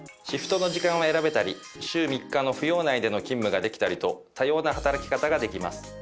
シフトの時間を選べたり週３日の扶養内での勤務ができたりと多様な働き方ができます。